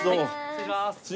失礼します。